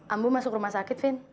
ambu masuk rumah sakit vin